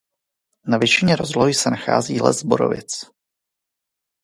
Na většině rozlohy se nachází les borovic.